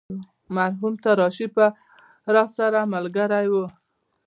مرهون تر آرشیفه راسره ملګری و.